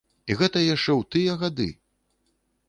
І гэта яшчэ ў тыя гады!